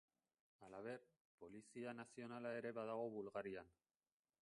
Halaber, Polizia nazionala ere badago Bulgarian.